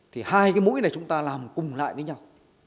thì hai cái mũi này chúng ta làm cùng lại với nhau